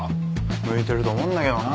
向いてると思うんだけどな。